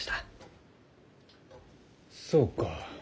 そうか。